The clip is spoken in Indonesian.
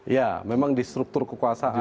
ya memang di struktur kekuasaan